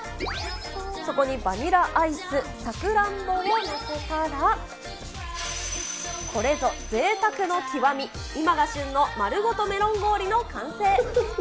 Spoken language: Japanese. そこにバニラアイス、さくらんぼを載せたら、これぞぜいたくの極み、今が旬の丸ごとメロン氷りの完成。